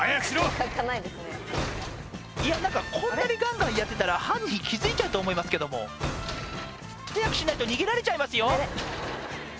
いや何かこんなにガンガンやってたら犯人気づいちゃうと思いますけども早くしないと逃げられちゃいますよ